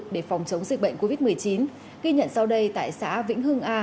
để phòng chống dịch bệnh covid một mươi chín ghi nhận sau đây tại xã vĩnh hưng a